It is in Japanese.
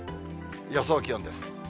予想気温です。